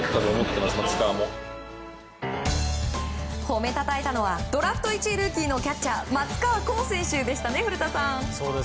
ほめたたえたのはドラフト１位ルーキーのキャッチャー松川虎生選手でしたね古田さん。